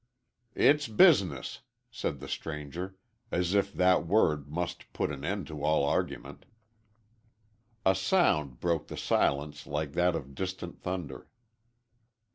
"It's business," said the stranger, as if that word must put an end to all argument. A sound broke the silence like that of distant thunder.